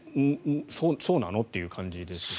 そうなの？っていう感じですけど。